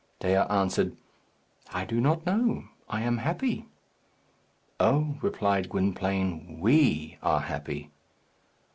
Dea answered, "I do not know. I am happy." "Oh," replied Gwynplaine, "we are happy."